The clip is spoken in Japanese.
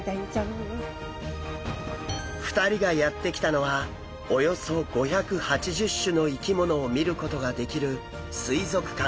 ２人がやって来たのはおよそ５８０種の生き物を見ることができる水族館。